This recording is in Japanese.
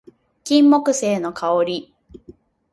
金木犀の香り